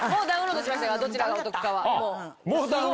「どちらがお得か」は。